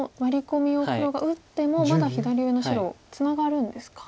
込みを黒が打ってもまだ左上の白ツナがるんですか。